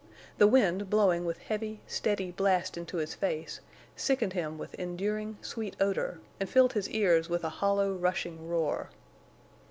The wind, blowing with heavy, steady blast into his face, sickened him with enduring, sweet odor, and filled his ears with a hollow, rushing roar.